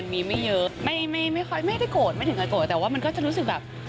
แต่คงนี่ก็จะรู้สึกแบบ